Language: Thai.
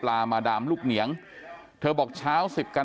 โลกไว้แล้วพี่ไข่โลกไว้แล้วพี่ไข่